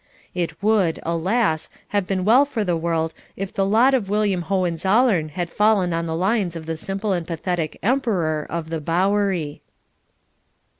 It would, alas! have been well for the world if the lot of William Hohenzollern had fallen on the lines of the simple and pathetic "Emperor" of the Bowery.